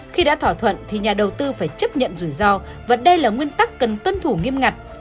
khi đã thỏa thuận thì nhà đầu tư phải chấp nhận rủi ro và đây là nguyên tắc cần tuân thủ nghiêm ngặt